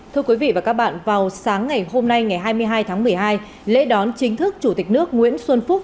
thưa quý vị và các bạn vào sáng ngày hôm nay ngày hai mươi hai tháng một mươi hai lễ đón chính thức chủ tịch nước nguyễn xuân phúc